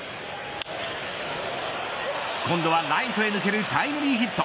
今度はライトへ抜けるタイムリーヒット。